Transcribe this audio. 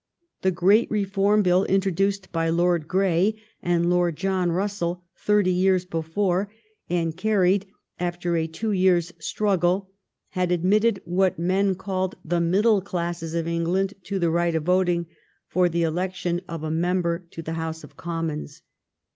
The great Reform Bill in troduced by Lord Grey and Lord John Russell thirty years before, and carried after a two years' struggle, had admitted what men called the middle classes of England to the right of voting for the election of a member to the House of Commons.